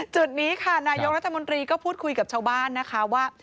จุดนี้ค่ะนายกรัฐมนตรีก็พูดคุยกับชาวบ้านนะคะว่า